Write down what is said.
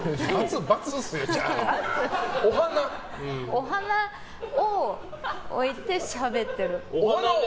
お花を置いてしゃべってる。